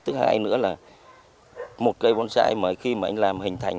thứ hai nữa là một cây bonsai mà khi mà anh làm hình thành